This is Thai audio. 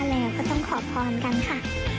แล้วก็ต้องขอพรกันค่ะ